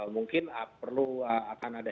mungkin perlu akan ada